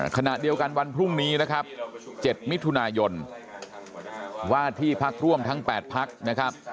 ขณะเดียวกันวันพรุ่งนี้นะครับ๗มิถุนายนว่าที่พักร่วมทั้ง๘พักนะครับ